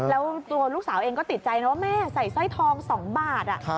แล้วตัวลูกสาวเองก็ติดใจนะว่าแม่ใส่สร้อยทอง๒บาท